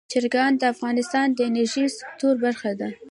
چرګان د افغانستان د انرژۍ سکتور برخه ده.